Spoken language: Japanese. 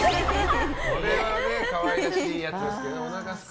これは可愛らしいやつですけど。